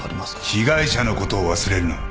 被害者のことを忘れるな。